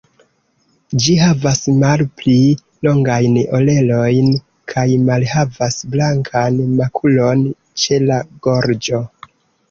Ĝi havas malpli longajn orelojn kaj malhavas blankan makulon ĉe la gorĝo.